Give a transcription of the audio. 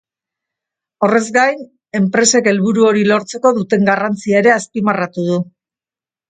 Horrez gain, enpresek helburu hori lortzeko duten garrantzia ere azpimarratu du.